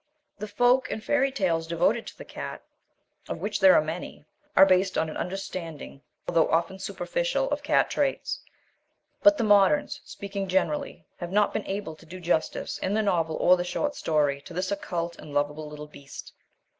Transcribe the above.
The folk and fairy tales devoted to the cat, of which there are many, are based on an understanding, although often superficial, of cat traits. But the moderns, speaking generally, have not been able to do justice, in the novel or the short story, to this occult and lovable little beast.